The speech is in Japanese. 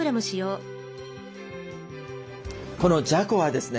このじゃこはですね